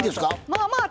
まあまあ？